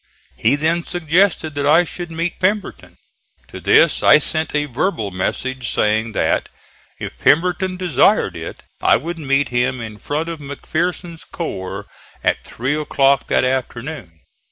He then suggested that I should meet Pemberton. To this I sent a verbal message saying that, if Pemberton desired it, I would meet him in front of McPherson's corps at three o'clock that afternoon.